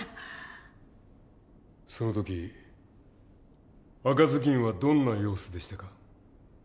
その時赤ずきんはどんな様子でしたか？